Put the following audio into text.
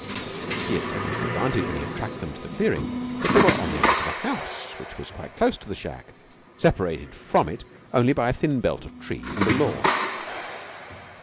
He had taken it for granted, when he had tracked them to the clearing, that they were on their way to the house, which was quite close to the shack, separated from it only by a thin belt of trees and a lawn.